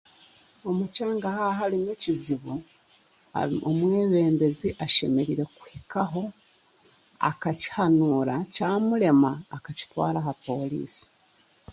Omu kyanga haaharimu ekizibu, omwebembezi ashemereire kuhikaho akakihanuura kyamurema akakitwaara aha pooriisi.